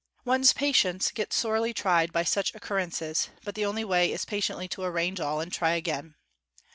One's patience gets sorely tried by such occurrences, but the only way is pa tiently to arrange all and try again.